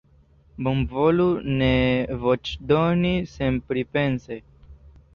Bonvolu ne voĉdoni senpripense.